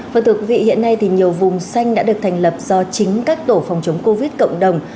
phần thực vị hiện nay thì nhiều vùng xanh đã được thành lập do chính các tổ phòng chống covid cộng đồng